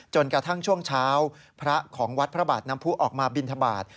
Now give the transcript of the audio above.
จนกระทั่งช่วงเช้าพระของวัดพระบาทน้ำผู้ออกมาบินทบาท